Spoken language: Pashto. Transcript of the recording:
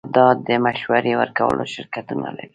کاناډا د مشورې ورکولو شرکتونه لري.